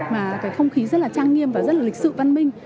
mà cái không khí rất là trang nghiêm và rất là lịch sự văn minh